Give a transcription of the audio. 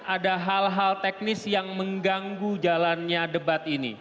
ada hal hal teknis yang mengganggu jalannya debat ini